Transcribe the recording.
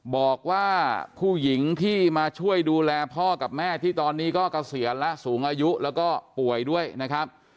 บอกว่าผู้หญิงที่มาช่วยดูแลพ่อกับแม่ที่ตอนนี้ก็เกษียณและสูงอายุแล้วก็ป่วยด้วยนะครับ